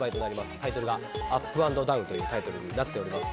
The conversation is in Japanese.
タイトルがＵｐ＆Ｄｏｗｎというタイトルになっております。